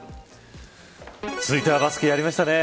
続いて、アカツキやりましたね。